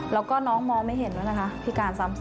แล้วก็น้องมองไม่เห็นด้วยนะคะพิการซ้ำซ้อน